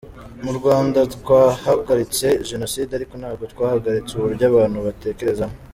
Mu Rwanda twahagaritse Jenoside ariko ntabwo twahagaritse uburyo abantu batekerezamo.